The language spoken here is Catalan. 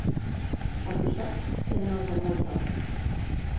A Busot, tenen el pardal tort.